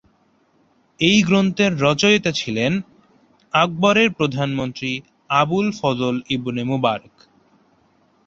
এই গ্রন্থের রচয়িতা ছিলেন আকবরের প্রধানমন্ত্রী আবুল ফজল ইবন মুবারক।